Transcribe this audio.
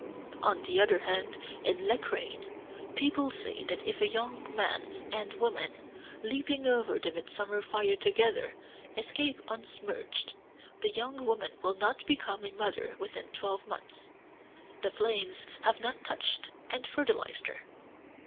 On the other hand, in Lechrain, people say that if a young man and woman, leaping over the midsummer fire together, escape unsmirched, the young woman will not become a mother within twelve months the flames have not touched and fertilized her.